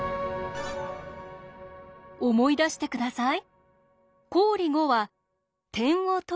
思い出して下さい。